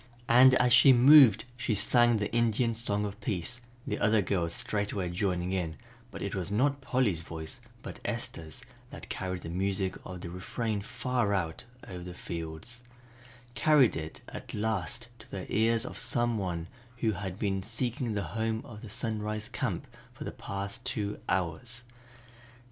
And as she moved she sang the Indian song of peace, the other girls straightway joining in, but it was not Polly's voice but Esther's that carried the music of the refrain far out over the fields, carried it at last to the ears of some one who had been seeking the home of the Sunrise Camp for the past two hours.